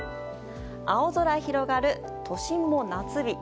青空広がる、都心も夏日。